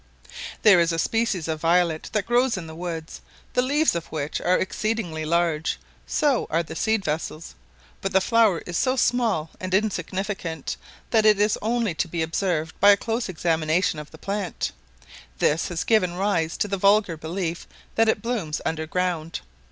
There is a species of violet that grows in the woods, the leaves of which are exceedingly large; so are the seed vessels, but the flower is so small and insignificant, that it is only to be observed by a close examination of the plant; this has given rise to the vulgar belief that it blooms under ground.